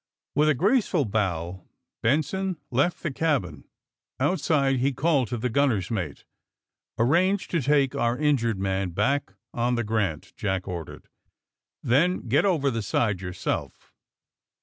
'' With a graceful bow Benson left the cabin. Outside he called to the gunner's mate. *^ Arrange to take our injured man back on the * Grant,' " Jack ordered. *^Then get over the side yourself."